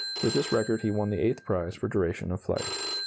(With this record he won the eighth prize for duration of flight.)